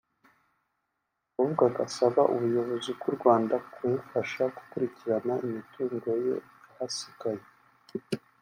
ahubwo agasaba ubuyobozi bw’u Rwanda kumufasha gukurikirana imitungo ye yahasigaye